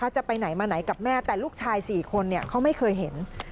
จะไปไหนมาไหนกับแม่แต่ลูกชาย๔คนเขาไม่เคยเห็น